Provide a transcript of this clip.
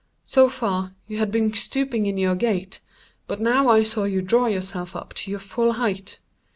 So far, you had been stooping in your gait; but now I saw you draw yourself up to your full height.